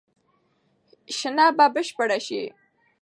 شننه به بشپړه شي.